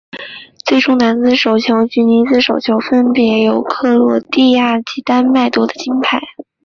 最终男子手球及女子手球分别由克罗地亚及丹麦夺得金牌。